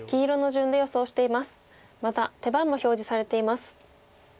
また手番も表示されています。